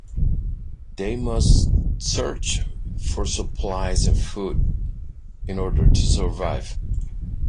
They must search for supplies and food in order to survive.